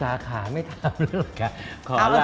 สาขาไม่ทำแล้วล่ะคะ